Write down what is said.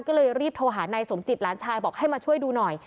ก็เลยรีบโทรหานายสมจิตหลานชายบอกให้มาช่วยดูหน่อย